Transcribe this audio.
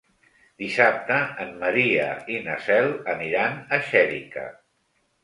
Dissabte en Maria i na Cel aniran a Xèrica.